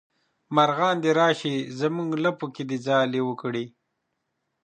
مارغان دې راشي زمونږ لپو کې ځالې وکړي